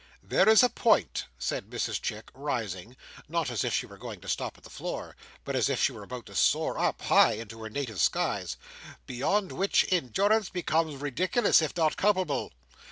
"There is a point," said Mrs Chick, rising, not as if she were going to stop at the floor, but as if she were about to soar up, high, into her native skies, "beyond which endurance becomes ridiculous, if not culpable.